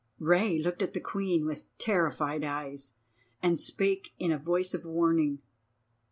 Rei looked at the Queen with terrified eyes, and spake in a voice of warning.